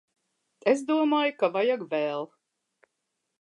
Es domāju ka vajag vēl.